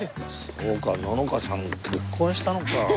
そうかののかさん結婚したのか。